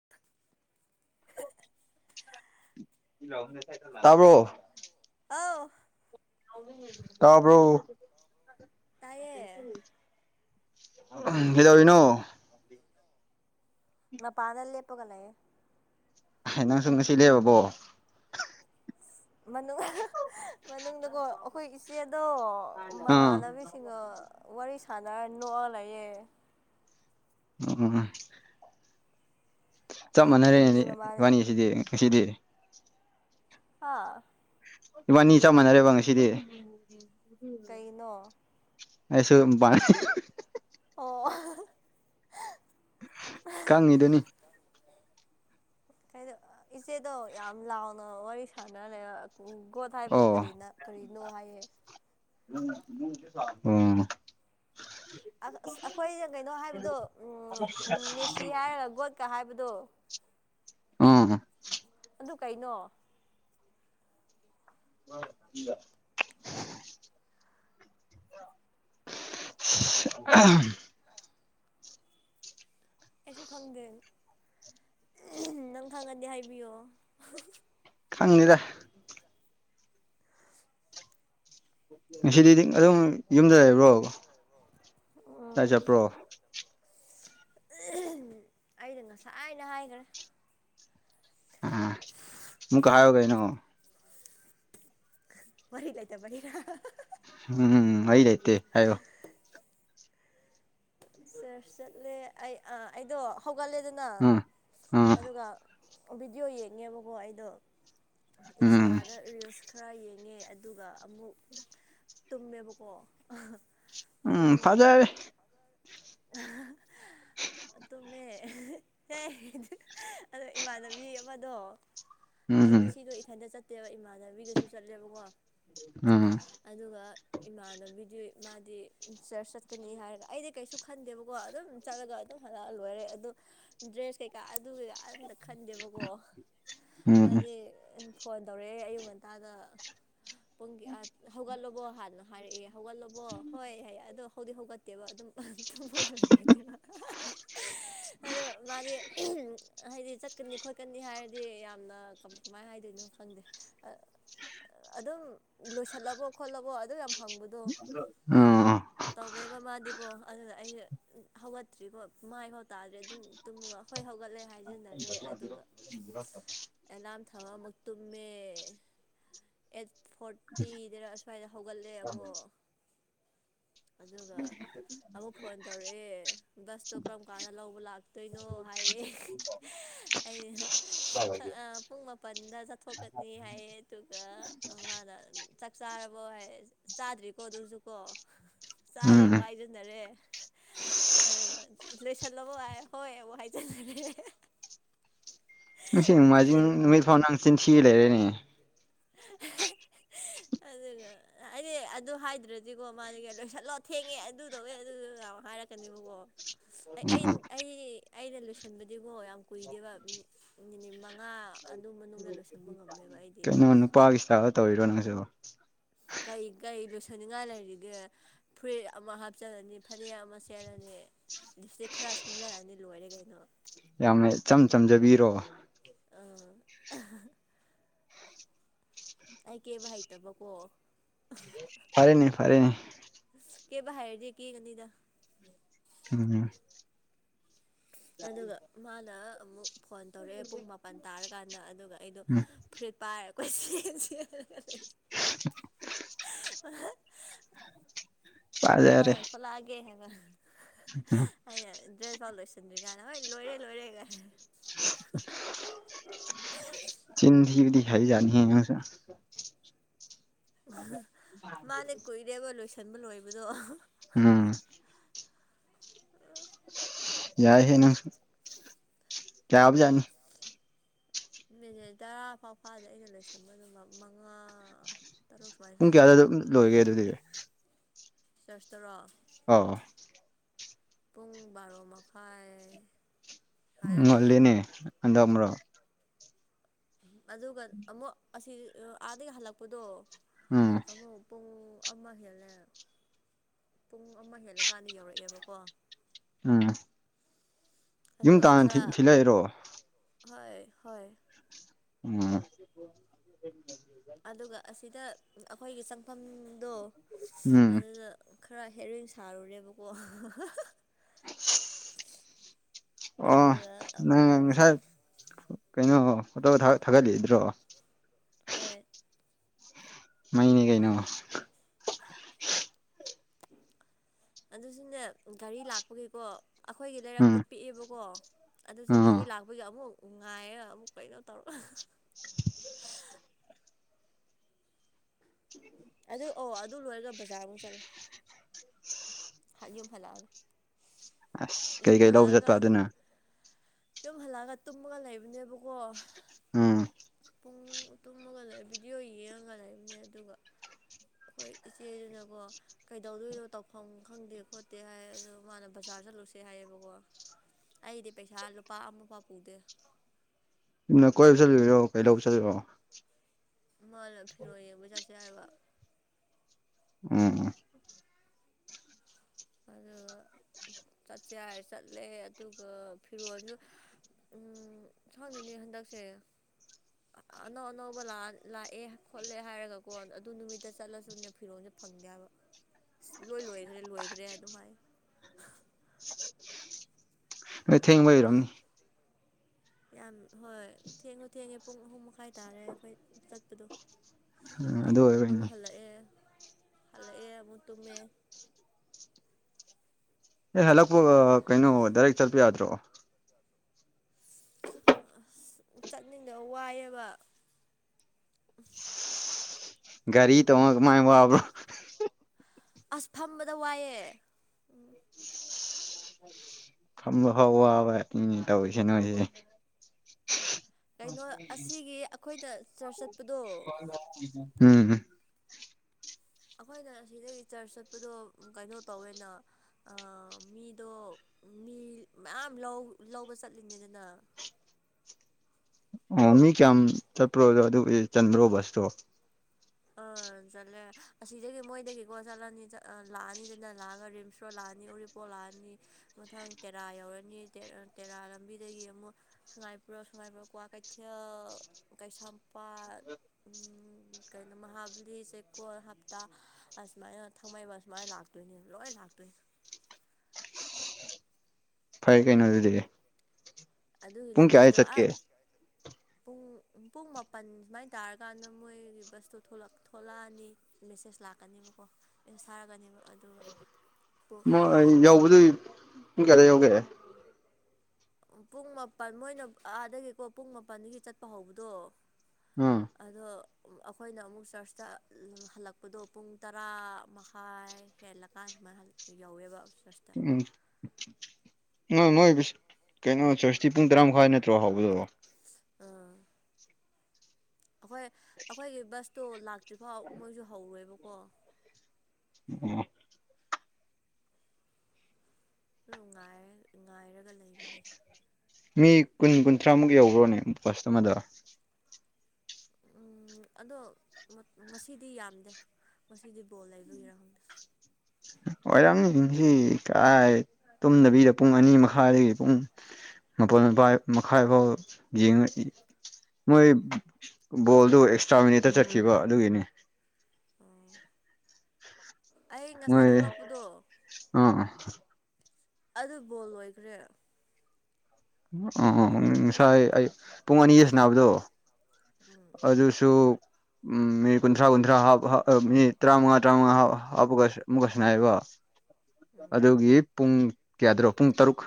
[inaudible] ꯇꯥꯕ꯭ꯔꯣ ꯑꯥꯎ ꯇꯥꯕ꯭ꯔꯣ ꯇꯥꯏꯌꯦ ꯀꯩꯗꯧꯔꯤꯅꯣ ꯃꯥ ꯄꯥꯗꯥꯜ ꯂꯦꯞꯒꯂꯦ ꯅꯪꯁꯨ ꯉꯁꯤ ꯂꯩꯕꯕꯣ ꯃꯅꯨꯡ ꯃꯅꯨꯡꯗꯀꯣ ꯑꯩꯈꯣꯏ ꯏꯆꯦꯗꯣ ꯑꯥ ꯃꯃꯥꯟꯅꯕꯤꯁꯤꯡꯒꯣ ꯋꯥꯔꯤ ꯁꯥꯟꯅ ꯅꯣ ꯂꯩꯌꯦ [unintelligible] ꯆꯞ ꯃꯥꯟꯅꯔꯦꯅꯦ ꯈꯨꯟꯒꯤ ꯃꯃꯥꯟ ꯏꯕꯥꯅꯤꯁꯤꯗꯤ ꯉꯁꯤꯗꯤ ꯍꯥꯥ ꯏꯕꯥꯅꯤ ꯆꯞ ꯃꯥꯟꯅꯔꯦꯕ ꯉꯁꯤꯗꯤ ꯀꯩꯅꯣ ꯑꯁꯨ ꯄ ꯑꯣ ꯈꯪꯉꯤꯗꯅꯤ ꯀꯗꯣ ꯏꯆꯦꯗꯣ ꯌꯥꯝ ꯂꯥꯎꯅ ꯋꯥꯔꯤ ꯁꯥꯟꯅꯔꯦ ꯒꯣꯠ ꯍꯥꯏꯕꯁꯦ ꯑꯣ ꯀꯔꯤꯅ ꯀꯔꯤꯅꯣ ꯍꯥꯏꯌꯦ ꯎꯝ ꯑ ꯑꯩꯈꯣꯏ ꯀꯩꯅꯣ ꯍꯥꯏꯕꯗꯣ ꯃꯦꯁꯤ ꯍꯥꯏꯔꯒ ꯒꯣꯠꯀ ꯍꯥꯏꯕꯗꯣ ꯑꯣ ꯑꯗꯨ ꯀꯩꯅꯣ ꯑ ꯑ ꯋꯥ ꯑꯩꯁꯨ ꯈꯪꯗꯦ ꯅꯪ ꯈꯪꯉꯗꯤ ꯍꯥꯏꯕꯤꯌꯣ ꯈꯪꯅꯤꯗ ꯉꯁꯤꯗꯤ ꯑꯗꯨꯝ ꯌꯨꯝꯗ ꯂꯩꯕ꯭ꯔꯣꯕꯣ ꯑꯣ ꯑꯩꯅ ꯉꯁꯥꯏꯅ ꯍꯥꯏꯒ꯭ꯔꯦ ꯑ ꯃꯨꯛꯀ ꯍꯥꯏꯌꯨ ꯀꯩꯅꯣ ꯋꯥꯔꯤ ꯂꯩꯇꯕꯒꯤꯔ ꯎꯝ ꯑꯩꯗꯥꯏꯇꯦ ꯍꯥꯏꯣ ꯁꯔ ꯆꯠꯂꯦ ꯑꯩ ꯑꯩꯗꯣ ꯍꯧꯒꯠꯂꯦꯗꯅ ꯎꯝ ꯎꯝ ꯑꯗꯨꯒ ꯚꯤꯗꯤꯑꯣ ꯌꯦꯡꯉꯦꯕꯀꯣ ꯑꯩꯗꯣ ꯎꯝ ꯏꯟꯁꯇꯥꯗ ꯔꯤꯜꯁ ꯈꯔ ꯌꯦꯡꯉꯦ ꯑꯗꯨꯒ ꯑꯃꯨꯛ ꯇꯨꯝꯃꯦꯕꯀꯣ ꯎꯝ ꯐꯖꯔꯦ ꯑꯍꯥ ꯍꯥ ꯇꯨꯝꯃꯦ ꯑꯦ ꯑꯗꯨ ꯑꯗꫭ ꯏꯃꯥꯟꯅꯕꯤ ꯑꯃꯗꯣ ꯑꯩ ꯎꯝ ꯉꯁꯤꯗꫭ ꯏꯊꯟꯗ ꯆꯠꯇꯦꯕ ꯏꯃꯥꯟꯅꯕꯤꯒꯁꯨ ꯆꯠꯂꯦꯕꯀꯣ ꯎꯝ ꯑꯗꯨꯒ ꯏꯃꯥꯟꯅꯕꯤꯗꯤ ꯃꯥꯗꯤ ꯆꯔꯁ ꯆꯠꯀꯅꯤ ꯍꯥꯏꯔꯒ ꯑꯩꯗꯤ ꯀꯩꯁꯨ ꯈꯟꯗꯦꯕꯀꯣ ꯑꯗꯨꯝ ꯆꯠꯂꯒ ꯑꯗꯨꯝ ꯍꯜꯂꯛꯑ ꯂꯣꯏꯔꯦ ꯑꯗꯣ ꯗ꯭ꯔꯦꯁ ꯀꯩꯀꯥ ꯑꯗꯨꯒꯤꯒ ꯑꯝꯇ ꯈꯟꯗꯦꯕꯀꯣ ꯎꯝ ꯃꯥꯗꯤ ꯐꯣꯟ ꯇꯧꯔꯛꯑꯦ ꯑꯌꯨꯛ ꯉꯟꯇꯥꯗ ꯄꯨꯡꯒꯤ ꯑꯥ ꯍꯧꯒꯠꯂꯕꯣ ꯍꯥꯟꯅ ꯍꯥꯏꯔꯛꯑꯦ ꯍꯧꯒꯠꯂꯕꯣ ꯍꯣꯏ ꯍꯥꯏꯌꯦ ꯑꯗꯣ ꯍꯧꯗꯤ ꯍꯧꯒꯠꯇꯦꯕ ꯑꯗꯨꯝ ꯇꯨꯝꯃꯒ ꯂꯩꯔꯤꯅꯦꯕ ꯑꯗꯨ ꯃꯥꯗꯤ ꯍꯥꯏꯗꯤ ꯆꯠꯀꯅꯤ ꯈꯣꯠꯀꯅꯤ ꯍꯥꯏꯔꯗꯤ ꯌꯥꯝꯅ ꯀꯝ ꯀꯃꯥꯏꯅ ꯍꯥꯏꯗꯣꯏꯅꯣ ꯈꯪꯗꯦ ꯑ ꯑ ꯑꯗꯨꯝ ꯂꯣꯏꯁꯜꯂꯕꯣ ꯈꯣꯠꯂꯕꯣ ꯑꯗꯨ ꯌꯥꯝ ꯍꯪꯕꯗꯣ ꯎꯝ ꯎꯝ ꯇꯧꯋꯦꯕ ꯃꯥꯗꯤꯀꫭ ꯑꯗꯨꯒ ꯑꯩꯅ ꯍꯧꯒꯠꯇ꯭ꯔꯤꯀꯣ ꯃꯥꯏꯐꯥꯎ ꯇꯥꯗ꯭ꯔꯤ ꯑꯗꯨꯝ ꯇꯨꯝꯃꯒ ꯍꯣꯏ ꯍꯧꯒꯠꯂꯦ ꯍꯥꯏꯖꯤꯟꯅꯔꯦ ꯑꯗꯨꯒ [unintelligible] ꯑꯦꯂꯥꯝ ꯊꯝꯃ ꯑꯃꯨꯛ ꯇꯨꯝꯃꯦ ꯑꯩꯠ ꯐꯣꯔꯇꯤꯗꯔ ꯑꯁ꯭ꯋꯥꯏꯗ ꯍꯧꯒꯠꯂꯦ ꯑꯃꯨꯛ ꯑꯗꯨꯒ ꯑꯃꯨꯛ ꯐꯣꯟ ꯇꯧꯔꯛꯑꯦ ꯕꯁꯇꯣ ꯀꯔꯝ ꯀꯥꯟꯗ ꯂꯧꯕ ꯂꯥꯛꯇꯣꯏꯅꯣ ꯍꯥꯏꯌꯦ ꯑꯩ ꯈ ꯑ ꯄꯨꯡ ꯃꯥꯄꯟꯗ ꯆꯠꯊꯣꯛꯀꯅꯤ ꯍꯥꯏꯌꯦ ꯑꯗꯨꯒ ꯃꯥꯅ ꯆꯥꯛ ꯆꯥꯔꯕꯣ ꯍꯥꯏꯌꯦ ꯆꯥꯗ꯭ꯔꯤꯀꯣ ꯑꯗꯨꯁꯨꯀꯣ ꯎꯝ ꯆꯥꯔꯦꯕ ꯍꯥꯏꯖꯤꯟꯅꯔꯦ ꯑꯗꯨꯒ ꯂꯣꯏꯁꯤꯜꯂꯕꯣ ꯍꯥꯏꯌꯦ ꯍꯣꯏ ꯑꯃꯨꯛ ꯍꯥꯏꯖꯤꯜꯂꯦ [inaudible] ꯉꯁꯤ ꯅꫭꯡꯃꯥꯏꯖꯤꯡ ꯑꯗꯨꯒ ꯅꯨꯃꯤꯠ ꯐꯥꯎ ꯅꯪ ꯆꯤꯟ ꯊꯤ ꯂꯩꯔꯦꯅꯦ ꯑꯗꯨꯒ ꯍꯥꯏꯗꯤ ꯑꯗꯨ ꯍꯥꯏꯗ꯭ꯔꯗꯤꯀꯣ ꯃꯥꯗꯤ ꯂꯣꯏꯁꯤꯜꯂꯣ ꯊꯦꯡꯉꯦ ꯑꯗꯨ ꯇꯧꯋꯦ ꯑꯗꯨ ꯗꯨ ꯗꯨ ꯌꯥꯝ ꯍꯥꯏꯔꯛꯀꯅꯦꯕꯀꯣ ꯎꯝ ꯑꯩ ꯎꯝ ꯑꯩ ꯑꯩꯅ ꯂꯣꯏꯁꯟꯕꯗꯤꯀꯣ ꯌꯥꯝ ꯀꯨꯏꯗꯦꯕ ꯃꯤꯅꯤꯠ ꯃꯪꯉꯥ ꯑꯗꯨ ꯃꯅꯨꯡꯗ ꯂꯣꯏꯁꯟꯕ ꯉꯝꯃꯦꯕ ꯑꯩꯗꯤ ꯑꯃ ꯅꯨꯄꯥꯒꯤ ꯏꯁꯇꯥ꯭ꯏꯜꯗ ꯇꯧꯔꯤꯔꫭ ꯅꯪꯁꯨ ꯀꯩ ꯀꯩ ꯂꯣꯏꯁꯟꯅꯤꯡꯉꯥꯏ ꯂꯩꯔꯤꯒꯦ ꯐꯨꯔꯤꯠ ꯑꯃ ꯍꯥꯞꯆꯜꯂꯅꯤ ꯐꯅꯦꯛ ꯑꯃ ꯁꯦꯠꯂꯅꯤ ꯂꯤꯞ꯭ꯁꯇꯤꯛ ꯈꯔ ꯁꯪꯖꯜꯂꯅꯤ ꯂꯣꯏꯔꯦ ꯀꯩꯅꯣ ꯌꯥꯝꯅ ꯏꯆꯝ ꯆꯝꯖꯕꯤꯔꯣ ꯑꯧ ꯑꯩ ꯀꯦꯕ ꯍꯩꯇꯕꯀꯣ ꯐꯔꯦꯅꯦ ꯐꯔꯦꯅꯦ ꯑꯁ ꯀꯦꯕ ꯍꯩꯔꯗꯤ ꯀꯦꯒꯅꯤꯗ ꯎꯝ ꯑꯗꯨꯒ ꯃꯥꯅ ꯑꯃꯨꯛ ꯐꯣꯟ ꯇꯧꯔꯛꯑꯦ ꯄꯨꯡ ꯃꯥ ꯃꯥꯄꯜ ꯇꯥꯔꯀꯥꯟꯗ ꯑꯗꯨꯒ ꯑꯩꯗꯣ ꯎꯝ ꯐꯨꯔꯤꯠ ꯄꯥꯏꯔ ꯀꯣꯢꯆꯦꯜ ꯆꯦꯜꯂꯒꯂꯩ [unintelligible] ꯐꯖꯔꯦ ꯃꯥꯅ ꯊꯣꯛꯂꯑꯒꯦ ꯍꯥꯏꯕ ꯎꯝ ꯑꯩꯅ ꯗ꯭ꯔꯦꯁ ꯐꯥꯎ ꯂꯣꯏꯁꯤꯟꯗ꯭ꯔꯤ ꯀꯥꯟꯗ ꯍꯣꯏ ꯂꯣꯏꯔꯦ ꯂꯣꯏꯔꯦ ꯆꯤꯟ ꯊꯤꯕꯗꯤ ꯍꯩꯖꯥꯠꯅꯤꯍꯦ ꯅꯪꯁꯨ ꯃꯥꯗꯤ ꯀꯨꯏꯔꯦꯕ ꯂꯣꯏꯁꯟꯕ ꯂꯣꯏꯕꯗꯣ ꯎꯝ ꯌꯥꯏꯍꯦ ꯅꯪꯁꯨ ꯌꯥꯕꯖꯥꯠꯅꯤ [unintelligible] ꯃꯤꯅꯤꯠ ꯇꯔꯥ ꯐꯥꯎ ꯐꯥꯗꯦ ꯑꯩꯅ ꯂꯣꯏꯁꯟꯕꯗꯨ ꯃꯛ ꯃꯉꯥ ꯇꯔꯨꯛ ꯁꯨꯃꯥꯏꯅ ꯄꯨꯡ ꯀꯌꯥꯗ ꯆꯪꯉꯝꯒꯅꯤ ꯂꯣꯢꯒꯦ ꯑꯗꯨꯗꯤ ꯆ꯭ꯔꯁ ꯇꯔꯣ ꯑꯥꯎ ꯄꯨꯡ ꯕꯥꯔꯣ ꯃꯈꯥꯏ ꯁꯨꯃꯥꯏꯅ ꯂꯣꯏꯌꯦ ꯉꯜꯂꯤꯅꯦ ꯍꯥꯟꯗꯛ ꯃꯔꯛ ꯑꯗꯨꯒ ꯑꯃꯨꯛ ꯑꯁꯤ ꯑꯥꯗꯒꯤ ꯍꯜꯂꯛꯄꯗꯣ ꯎꯝ ꯑꯃꯨꯛ ꯄꯨꯡ ꯑꯃ ꯍꯦꯜꯂꯦ ꯄꯨꯡ ꯑꯃ ꯍꯦꯜꯂꯀꯥꯟꯗ ꯌꯧꯔꯛꯑꯦꯕꯀꯣ ꯎꯝ ꯌꯨꯝ ꯑꯗꯨꯒ ꯇꯥꯟꯅ ꯊꯤ ꯈꯔ ꯊꯤꯂꯛꯏꯔꯣ ꯍꯣꯏ ꯍꯣꯏ ꯎꯝ ꯑꯗꯨꯒ ꯑꯁꯤꯗ ꯑꯩꯈꯣꯏꯒꯤ ꯆꯪꯐꯝꯗꯣ ꯎꯝ ꯑꯗꯨꯗ ꯈꯔ ꯍꯦꯔꯣꯏꯟ ꯁꯥꯔꯨꯔꯦꯕꯀꯣ ꯑꯣ ꯑꯗꯨꯒ ꯑꯃꯨꯛ ꯅꯪ ꯗꯨꯝ ꯉꯁꯥꯏ ꯆꯠꯂꯦ ꯀꯩꯅꯣ ꯐꯣꯇꯣ ꯊꯥꯒꯠ ꯊꯥꯒꯠꯂꯤꯗꯔꯣ ꯍꯣꯏ ꯃꯩꯅꯤ ꯀꯩꯅꯣ ꯑꯗꯨ ꯁꯨꯅꯦ ꯒꯥꯔꯤ ꯂꯥꯛꯄꯒꯤꯀꯣ ꯑꯩꯈꯣꯏꯒꯤ ꯎꯝ ꯂꯩꯔꯛꯇꯣ ꯄꯤꯛꯑꯦꯕꯀꯣ ꯑꯗꯨꯁꯨ ꯑꯥ ꯒꯔꯤ ꯂꯥꯛꯄꯒꯤ ꯑꯃꯨꯛ ꯉꯥꯏꯔ ꯑꯃꯨꯛ ꯀꯩꯅꯣ ꯇꯧꯔ ꯑꯗꯨ ꯑꯣ ꯑꯗꯨ ꯂꯣꯏꯔꯒ ꯕꯖꯥꯔ ꯑꯃꯨꯛ ꯆꯠꯂꯦ ꯍ ꯌꯨꯝ ꯍꯜꯂꯛꯑꯒꯥ ꯑꯁ ꯌꯨꯝ ꯀꯩꯀꯩ ꯂꯧꯕ ꯍꯜꯂꯛꯑꯒꯥ ꯆꯠꯄ ꯑꯗꯨꯅ ꯌꯨꯝ ꯍꯜꯂꯛꯑꯒ ꯇꯨꯝꯃꯒ ꯂꯩꯕꯅꯦꯕꯀꯣ ꯎꯝ ꯄꯨꯡ ꯇꯨꯝꯃꯒ ꯂꯩ ꯚꯤꯗꯤꯌꯣ ꯌꯦꯡꯉꯒ ꯂꯩꯕꯅꯦ ꯑꯗꯨꯒ ꯈꯣꯏ ꯏꯆꯦꯗꯨꯅꯀꯣ ꯀꯩꯗꯧꯗꯣꯏꯅꯣ ꯇꯧꯐꯝ ꯈꯪꯗꯦ ꯈꯣꯠꯇꯦ ꯍꯥꯏ ꯑꯗꯣ ꯃꯥꯅ ꯕꯖꯥꯔ ꯆꯠꯂꯨꯁꯦ ꯍꯥꯏꯌꯦꯕꯀꯣ ꯑꯩꯗꯤ ꯄꯩꯁꯥ ꯂꯨꯄꯥ ꯑꯃ ꯐꯥꯎ ꯄꯨꯗꯦ ꯅ ꯀꯣꯏꯕ ꯆꯠꯂꯨꯢꯔꯣ ꯀꯩꯗꯧ ꯆꯠꯂꯨꯔꯣ ꯃꯥꯅ ꯐꯤꯔꯣꯜ ꯌꯦꯡꯕ ꯆꯠꯁꯦ ꯍꯥꯏꯕ ꯎꯝ ꯑꯗꯨꯒ ꯆꯠꯁꯦ ꯍꯥꯏꯔ ꯆꯠꯂꯦ ꯑꯗꯨꯒ ꯐꯤꯔꯣꯜꯁꯨ ꯎꯝ ꯈꯪꯗꯦꯅꯦ ꯍꯟꯗꯛꯁꯦ ꯑꯅꯧ ꯑꯅꯧꯕ ꯂꯥꯛ ꯂꯥꯛꯑꯦ ꯈꯣꯠꯂꯦ ꯍꯥꯏꯔꯒꯀꯣ ꯑꯗꯨ ꯅꯨꯃꯤꯠꯇ ꯆꯠꯂꯁꯨꯅꯦ ꯐꯤꯔꯣꯟꯖꯦ ꯐꯪꯗꯦ ꯍꯥꯏꯕ ꯑꯁ ꯂꯣꯏ ꯂꯣꯏꯒꯔꯦ ꯂꯣꯏꯒꯔꯦ ꯑꯗꯨꯝ ꯍꯥꯏ [unintelligible] ꯅꯣꯏ ꯊꯦꯡꯕꯩ ꯑꯣꯢꯔꯝꯅꯤ ꯌꯥꯝ ꯍꯣꯏ ꯊꯦꯡꯉꯨ ꯊꯦꯡꯉꯦ ꯄꯨꯡ ꯑꯍꯨꯝ ꯃꯈꯥꯏ ꯇꯥꯔꯦ ꯑꯩꯈꯣꯏ ꯆꯠꯄꯗꯣ ꯎꯝ ꯑꯗꯨ ꯑꯣꯏꯕꯩꯅꯤ ꯑꯃꯨꯛ ꯍꯜꯂꯛꯑꯦ ꯍꯜꯂꯛꯑꯦ ꯑꯃꯨꯛ ꯇꯨꯝꯃꯦ ꯍꯦꯛ ꯍꯜꯂꯛꯄꯒ ꯀꯩꯅꯣ ꯗꯥꯏꯔꯦꯛ ꯆꯠꯄ ꯌꯥꯗ꯭ꯔꯣ ꯑꯁ ꯆꯠꯅꯤꯡꯗ ꯋꯥꯏꯑꯕ ꯒꯥꯔꯤ ꯇꯣꯡꯉ ꯀꯃꯥꯏ ꯋꯥꯕ꯭ꯔꯣ ꯑꯁ ꯐꯝꯕꯗ ꯋꯥꯏꯑꯦ ꯎꯝ ꯐꯝꯕ ꯐꯥꯎ ꯋꯥꯕꯅꯤꯅꯦ ꯇꯧꯔꯤꯁꯦ ꯅꯣꯏꯁꯦ ꯀꯩꯅꯣ ꯑꯁꯤꯒꯤ ꯑꯈꯣꯏꯗ ꯆꯔꯆ ꯆꯠꯄꯗꯣ [unintelligible] ꯎꯝ ꯑꯈꯣꯏꯅ ꯑꯁꯤꯗꯒꯤ ꯆꯔꯁ ꯆꯠꯄꯗꯣ ꯀꯩꯅꯣ ꯇꯧꯋꯦꯅ ꯑ ꯃꯤꯗꯣ ꯃꯤ ꯃꯌꯥꯝ ꯂꯧ ꯂꯧꯕ ꯆꯠꯂꯤꯅꯤꯗꯅ ꯑ ꯃꯤ ꯀꯌꯥꯝ ꯆꯠꯄ꯭ꯔꯣ ꯑꯗꯨ ꯆꯟꯕ꯭ꯔꯣ ꯕꯁ ꯇꯣ ꯑꯥ ꯆꯠꯂꯦ ꯑꯁꯤꯗꯒꯤ ꯃꯣꯏꯗꯒꯤꯀꯣ ꯆꯠꯂꯅꯤ ꯆꯠ ꯑꯥ ꯂꯥꯛꯑꯅꯤꯗꯅ ꯂꯥꯛꯑꯒ ꯔꯤꯝꯁ ꯔꯣꯠ ꯂꯥꯛꯑꯅꯤ ꯎꯔꯤ ꯄꯣꯛ ꯂꯥꯛꯑꯅꯤ ꯃꯊꯪ ꯇꯦꯔꯥ ꯌꯧꯔꯅꯤ ꯇꯦꯔꯥ ꯂꯝꯕꯤꯗꯒꯤ ꯑꯃꯨꯛ ꯁꯉꯥꯏꯄꯔꯧ ꯁꯉꯥꯏꯄꯔꯧ ꯀ꯭ꯋꯥꯀꯩꯊꯦꯜ ꯀꯩꯁꯥꯝꯄꯥꯠ ꯎꯝ ꯀꯩꯅꯣ ꯃꯍꯥꯕꯂꯤ ꯆꯦꯛꯀꯣꯟ ꯍꯞꯇꯥ ꯑꯁꯨꯃꯥꯏꯅ ꯊꯥꯡꯃꯩꯕꯟ ꯑꯁꯨꯃꯥꯏꯅ ꯂꯥꯛꯇꯣꯏꯅꯦ ꯂꯣꯏ ꯂꯥꯛꯇꯣꯏꯅꯦ ꯐꯩ ꯀꯩꯅꯣ ꯑꯗꯨꯗꯤ ꯑꯗꯨꯒꯤ ꯄꯨꯡ ꯀꯌꯥꯗ ꯂꯝꯕꯤꯗꯣ ꯆꯠꯀꯦ ꯑꯥꯠ ꯄꯨꯡ ꯄꯨꯡ ꯃꯥꯄꯟ ꯁꯨꯃꯥꯏ ꯇꯥꯔꯀꯥꯟꯗ ꯃꯣꯏꯒꯤ ꯕꯁꯇꯣ ꯊꯣꯛꯂꯛ ꯊꯣꯛꯂꯥꯅꯤ ꯃꯦꯁꯦꯖ ꯂꯥꯛꯀꯅꯤꯕꯀꯣ ꯇꯦꯛꯁ ꯊꯥꯔꯛꯀꯅꯤꯕ ꯑꯗꯨꯒ ꯄꯨꯡ ꯃꯣꯏ ꯑꯩ ꯌꯧꯕꯗꯨ ꯄꯨꯡ ꯀꯌꯥꯗ ꯌꯧꯒꯦ ꯄꯨꯡ ꯃꯥꯄꯜ ꯃꯣꯏꯅ ꯑꯥꯗꯒꯤꯀꯣ ꯄꯨꯡ ꯃꯥꯄꯜꯗꯒꯤ ꯆꯠꯄ ꯍꯧꯕꯗꯣ ꯑꯥ ꯑꯗꯣ ꯑꯈꯣꯏꯅ ꯑꯃꯨꯛ ꯆꯔꯁꯇ ꯍꯜꯂꯛꯄꯗꯣ ꯄꯨꯡ ꯇꯔꯥ ꯃꯈꯥꯏ ꯍꯦꯜꯂꯀꯥꯟ ꯁꯨꯃꯥꯏ ꯍꯜꯂꯦ ꯌꯧꯋꯦꯕ ꯆꯔꯁ ꯎꯝ [inaudible] ꯅꯣꯏ ꯃꯣꯏ ꯀꯩꯅꯣ ꯆꯔꯁꯇꯤ ꯄꯨꯡ ꯇꯔꯥ ꯃꯈꯥꯏ ꯅꯠꯇ꯭ꯔꯣ ꯍꯥꯎꯕꯗꯣ ꯑꯥ ꯑꯈꯣꯏ ꯑꯈꯣꯏꯒꯤ ꯕꯁꯇꯣ ꯂꯥꯛꯇ꯭ꯔꯤꯐꯥꯎ ꯃꯣꯏꯁꯨ ꯍꯧꯔꯣꯏꯕꯀꯣ ꯑꯣ ꯔꯨ ꯉꯥꯏꯔ ꯉꯥꯏꯔꯒ ꯂꯩꯕꯅꯦ ꯃꯤ ꯀꯨꯟ ꯀꯨꯟꯊ꯭ꯔꯥꯃꯨꯛ ꯌꯧꯕ꯭ꯔꯣꯅꯦ ꯕꯁ ꯑꯃꯗ ꯎꯝ ꯑꯗꯣ ꯉꯁꯤꯗꯤ ꯌꯥꯝꯗꯦ ꯉꯁꯤꯗꯤ ꯕꯣꯜ ꯂꯩꯕꯒꯤꯔ ꯈꯪꯗꯦ ꯑꯣꯏꯔꯝꯅꯤ ꯉꯁꯤ ꯀꯔꯥꯏ ꯇꯨꯝꯗꯕꯤꯗ ꯄꯨꯡ ꯑꯅꯤ ꯃꯈꯥꯏꯗꯒꯤ ꯄꯨꯡ ꯃꯄꯜ ꯃꯄꯥꯏ ꯃꯈꯥꯏ ꯐꯥꯎ ꯌꯦꯡꯉ ꯏ ꯃꯣꯏ ꯕꯣꯜꯗꯨ ꯑꯦꯛꯁꯇ꯭ꯔꯥ ꯃꯤꯅꯤꯠꯇ ꯆꯠꯈꯤꯕ ꯑꯗꯨꯒꯤꯅꯤ ꯑꯩ ꯉꯁꯥꯏ ꯃꯣꯏ ꯊꯣꯛꯂꯛꯄꯗꯣ ꯑꯥ ꯑ ꯑꯗꯨ ꯕꯣꯜ ꯂꯣꯏꯈ꯭ꯔꯦ ꯑꯑ ꯉꯁꯥꯏ ꯑꯩ ꯄꯨꯡ ꯑꯅꯤꯗ ꯁꯥꯟꯅꯕꯗꯣ ꯑꯗꯨꯁꯨ ꯎꯝ ꯃꯤꯅꯤꯠ ꯀꯨꯟꯊ꯭ꯔꯥ ꯀꯨꯟꯊ꯭ꯔꯥ ꯍꯥꯞ ꯍꯥꯞ ꯃꯤꯅꯤꯠ ꯇꯔꯥꯃꯉꯥ ꯇꯔꯥꯃꯉꯥ ꯍꯥ ꯍꯥꯞꯄꯒ ꯑꯃꯨꯛꯀ ꯁꯥꯟꯅꯩꯕ ꯎꯝ ꯑꯗꯨꯒꯤ ꯄꯨꯡ ꯀꯌꯥꯗꯔꯣ ꯄꯨꯡ ꯇꯔꯨꯛ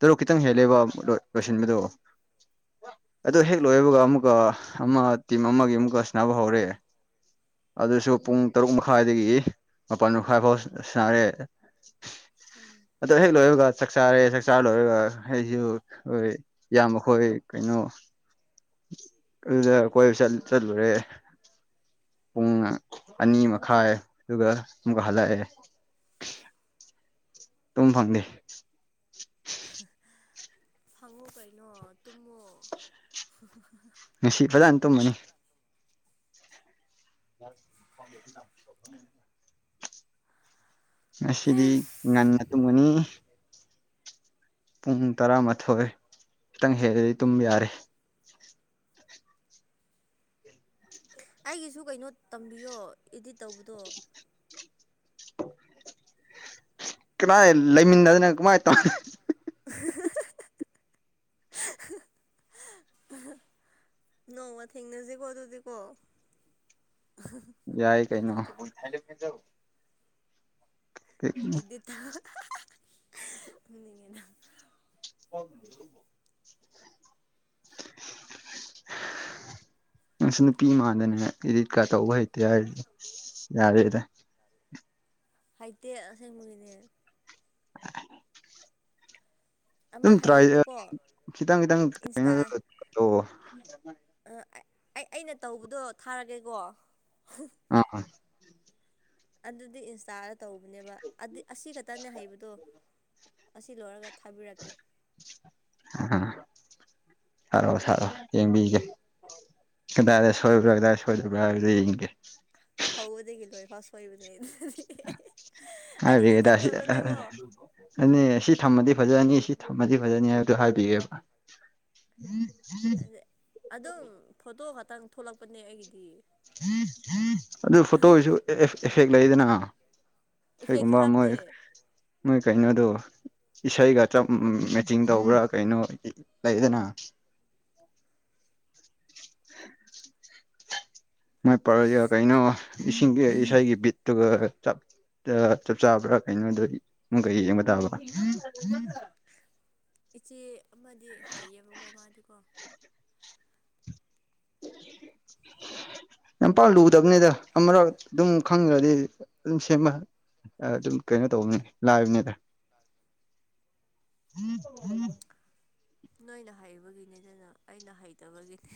ꯇꯔꯨꯛ ꯈꯤꯇꯪ ꯍꯦꯜ ꯂꯩꯕꯥꯛ ꯂꯣꯏꯁꯤꯟꯕꯗ ꯑꯗꯨ ꯍꯦꯛ ꯑꯥ ꯂꯣꯏꯕꯒ ꯑꯃꯨꯛꯀ ꯑꯃ ꯇꯤꯝ ꯑꯃꯒꯤ ꯑꯃꯨꯛꯀ ꯁꯥꯟꯅꯕ ꯍꯧꯔꯦ ꯑꯗꯨꯁꯨ ꯄꯨꯡ ꯇꯔꯨꯛ ꯃꯈꯥꯏꯗꯒꯤ ꯃꯄꯜ ꯃꯈꯥꯏ ꯐꯥꯎ ꯁꯥꯟꯅꯔꯦ ꯎꯝ ꯑꯗꯣ ꯍꯦꯛ ꯂꯣꯏꯕꯒ ꯆꯥꯛ ꯆꯥꯔꯦ ꯆꯥꯛ ꯆꯥꯔ ꯂꯣꯏꯔꯒ ꯑꯩꯁꯨ [unintelligible] ꯌꯥꯝꯕꯈꯣꯏ ꯀꯩꯅꯣ ꯑꯗꯨꯗ ꯀꯣꯏꯕ ꯆꯠ ꯆꯠꯂꯨꯔꯦ ꯄꯨꯡ ꯑꯅꯤ ꯃꯈꯥꯏ ꯑꯗꯨꯒ ꯑꯃꯨꯛꯀ ꯍꯜꯂꯛꯑꯦ ꯇꯨꯝ ꯐꯪꯗꯦ ꯍꯍ ꯐꯪꯉꯣ ꯀꯩꯅꯣ ꯇꯨꯝꯃꯣ ꯍꯍꯍ ꯉꯁꯤ ꯐꯖꯅ ꯇꯨꯝꯃꯅꯤ [inaudible] ꯉꯁꯤꯗꯤ ꯑꯁ ꯉꯟꯅ ꯇꯨꯝꯒꯅꯤ ꯄꯨꯡ ꯇꯔꯥꯃꯥꯊꯣꯏ ꯈꯤꯇꯪ ꯍꯦꯜꯂꯗꯤ ꯇꯨꯝ ꯌꯥꯔꯦ ꯑꯩꯒꯤꯁꯨ ꯀꯩꯅꯣ ꯇꯝꯕꯤꯌꯣ ꯏꯗꯤꯠ ꯇꯧꯕꯗꯣ ꯀꯗꯥꯏ ꯂꯩꯃꯤꯟꯅꯗꯅ ꯀꯃꯥꯏ ꯇꯧꯅꯤ ꯑꯍꯥꯍꯥꯍꯥ ꯅꯣꯡꯃ ꯊꯦꯡꯅꯁꯤꯀꯣ ꯑꯗꯨꯗꯤꯀꯣ ꯌꯥꯏ ꯀꯩꯅ ꯎꯥꯏ ꯌꯥ ꯏꯗꯤꯇ [unintelligible] [inaudible] [inaudible] ꯅꯪꯁꯨ ꯅꯨꯄꯤ ꯏꯃꯥꯟꯗꯅꯦ ꯏꯗꯤꯠꯀꯥ ꯇꯧꯕ ꯍꯩꯇꯦ ꯍꯥꯏꯔꯤꯁꯦ ꯌꯥꯔꯦꯗ ꯍꯩꯇꯦ ꯑꯁꯦꯡꯕꯒꯤꯅꯦ [unintelligible] ꯑꯃ ꯑꯗꯨꯝ ꯇ꯭ꯔꯥꯏ ꯍꯩꯌꯦꯕꯀꯣ ꯈꯤꯇꯪ ꯏꯟꯁꯇꯥ ꯈꯤꯇꯪꯑꯣ ꯑꯩ ꯑꯩꯅ ꯇꯧꯕꯗꯣ ꯊꯥꯔꯒꯦꯀꯣ ꯑꯥ ꯑꯗꯨꯗꯤ ꯏꯟꯁꯇꯥꯗ ꯇꯧꯕꯅꯦꯕ ꯑꯁꯤ ꯈꯛꯇꯅꯦ ꯍꯩꯕꯗꯣ ꯑꯁꯤ ꯂꯣꯏꯔꯒ ꯊꯕꯤꯔꯛꯀꯦ ꯑ ꯊꯔꯣ ꯊꯥꯔꯣ ꯌꯦꯡꯕꯤꯒꯦ ꯀꯗꯥꯏꯗ ꯁꯣꯏꯕ꯭ꯔꯥ ꯀꯗꯥꯏꯗ ꯁꯣꯏꯗꯕ꯭ꯔꯥ ꯍꯥꯏꯕꯗꯤ ꯌꯦꯡꯒꯦ ꯍꯧꯕꯗꯒꯤ ꯂꯣꯏ ꯐꯥꯎ ꯁꯣꯏꯕꯅꯦ ꯑꯩꯗꯤ ꯏꯆꯝ ꯆꯝꯕꯅꯦꯀꯣ ꯑꯗꯨꯅꯦ ꯁꯤ ꯊꯝꯃꯗꯤ ꯐꯖꯅꯤ ꯁꯤ ꯊꯝꯃꯗꯤ ꯐꯖꯅꯤ ꯍꯥꯏꯕꯗꫭ ꯍꯥꯏꯕꯤꯑ°ꯕ [unintelligible] ꯑꯗꯨꯝ ꯐꯣꯇꯣ ꯈꯛꯇꯪ ꯊꯣꯛꯂꯛꯄꯅꯦ ꯑꯩꯒꯤꯗꯤ ꯑꯗꯨ ꯐꯣꯇꯣꯒꯤꯁꯨ ꯑꯦꯐꯦꯛ ꯂꯩꯗꯅ ꯏꯐꯦꯛꯁꯨ ꯁꯤꯒꯨꯝꯕꯃ ꯍꯥꯞꯇꯦ ꯃꯣꯏ ꯀꯩꯅꯣꯗꯣ ꯏꯁꯩꯒꯞ ꯃꯦꯆꯤꯡ ꯇꯧꯕ꯭ꯔꯥ ꯀꯩꯅꯣ ꯂꯩꯗꯅ ꯃꯥꯏ ꯄꯥꯔꯛꯏ ꯀꯩꯅꯣ ꯏꯁꯤꯡꯒꯤ ꯏꯁꯩꯒꯤ ꯕꯤꯠꯇꯨꯒ ꯆꯞ ꯆꯥꯕ꯭ꯔꯥ ꯀꯩꯅꯣꯗ ꯅꯨꯡ ꯀꯩ ꯌꯦꯡꯕ ꯇꯥꯕ ꯏꯆꯦ ꯑꯃꯗꯤ ꯍꯩꯌꯦꯕꯀꯣ ꯃꯥꯗꯤꯀꯣ [unintelligible] ꯂꯝꯄꯥꯛ ꯂꯨꯗꯕꯅꯤꯗ ꯑꯃꯔꯛ ꯑꯗꯨꯝ ꯈꯪꯈ꯭ꯔꯗꯤ ꯑꯗꯨꯝ ꯁꯦꯝꯃ ꯑꯗꯨꯝ ꯀꯩꯅꯣ ꯇꯧꯕꯅꯤ ꯂꯥꯏꯕꯅꯤꯗ [inaudible] ꯅꯣꯏꯅ ꯍꯩꯕꯒꯤꯅꯤꯗꯅ ꯑꯩꯅ ꯍꯩꯇꯕꯒꯤꯅꯤ